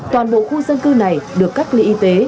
toàn bộ khu dân cư này được cắt lý y tế